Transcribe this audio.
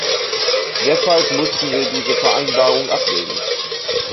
Deshalb mussten wir diese Vereinbarung ablehnen.